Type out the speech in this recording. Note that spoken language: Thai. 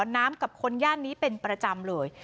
น้ำกับคนย่านนี้เป็นประจำเลย